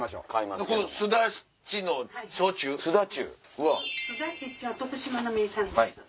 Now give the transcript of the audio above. すだちってのは徳島の名産です。